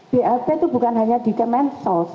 blt itu bukan hanya di kemensos